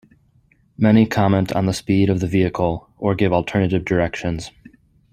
Many comment on the speed of the vehicle, or give alternative directions.